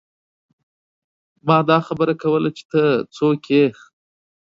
ما دا خبره کوله چې ته څوک يې ۔